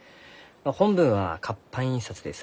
本文は活版印刷でするき。